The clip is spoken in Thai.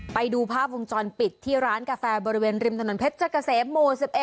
ไปดูภาพวงจรปิดที่ร้านกาแฟบริเวณริมถนนเพชรเกษมหมู่๑๑